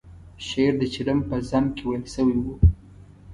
شعر د چلم په ذم کې ویل شوی و.